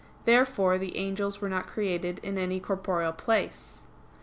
Therefore the angels were not created in any corporeal place.